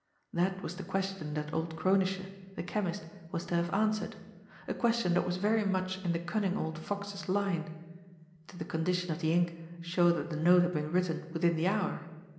That was the question that old Kronische, the chemist, was to have answered, a question that was very much in the cunning old fox's line did the condition of the ink show that the note had been written within the hour?